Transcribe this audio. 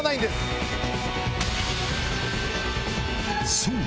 そう！